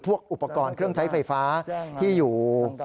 อุปกรณ์เครื่องใช้ไฟฟ้าที่อยู่